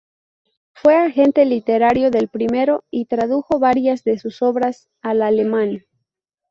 Fue agente literario del primero y tradujo varias de sus obras al alemán.